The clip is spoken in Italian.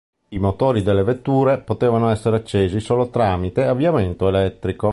I motori delle vetture potevano essere accesi solo tramite avviamento elettrico.